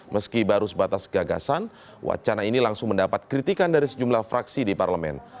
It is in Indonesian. meski baru sebatas gagasan wacana ini langsung mendapat kritikan dari sejumlah fraksi di parlemen